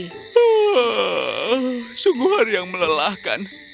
oh sungguh hari yang melelahkan